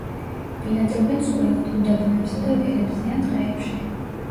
ბინადრობენ წყვილად უდაბნოებსა და ველებზე ან ტყეებში.